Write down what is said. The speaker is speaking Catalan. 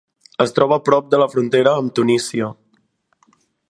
Es troba a prop de la frontera amb Tunísia.